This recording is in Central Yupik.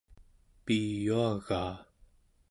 piyuagaa